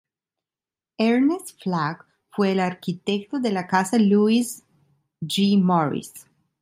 Ernest Flagg fue el arquitecto de la Casa Lewis G. Morris.